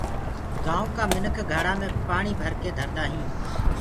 گآئونٚ ڪآ مِنک گھڙآ مي پآڻي ڀرڪي ڌردآ هينٚ